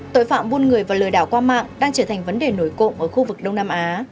tội phạm buôn người và lừa đảo qua mạng đang trở thành vấn đề nổi cộng ở khu vực đông nam á